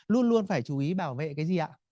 luôn luôn phải chú ý bảo vệ cái gì ạ